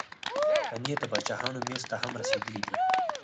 پنېر د باچاهانو مېز ته هم رسېدلی دی.